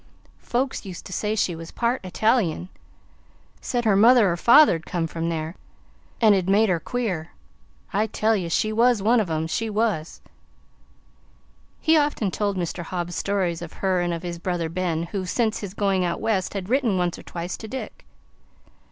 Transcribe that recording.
Folks used to say she was part _I_tali un said her mother or father 'd come from there, 'n' it made her queer. I tell ye, she was one of 'em she was!" He often told Mr. Hobbs stories of her and of his brother Ben, who, since his going out West, had written once or twice to Dick.